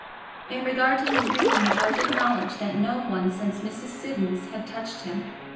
In regard to his reading it was acknowledged that no one since Mrs. Siddons had touched him.